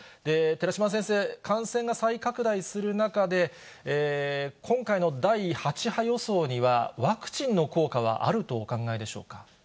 寺嶋先生、感染が再拡大する中で、今回の第８波予想には、ワクチンの効果はあるとお考えでしょうか。